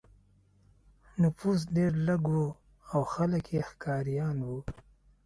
نفوس ډېر لږ و او خلک یې ښکاریان وو.